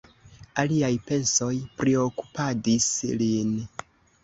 Aliaj pensoj priokupadis lin.